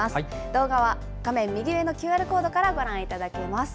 動画は画面右上のＱＲコードからご覧いただけます。